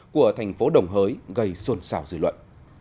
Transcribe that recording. của thành phố đồng hới gây xuân xảo dư luận